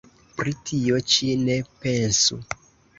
Pri tio ĉi ne pensu!